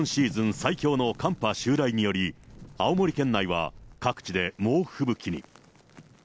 最強の寒波襲来により、青森県内は各地で猛吹雪に。